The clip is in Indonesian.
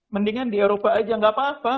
mendingan di eropa aja nggak apa apa